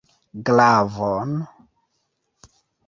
Glavon!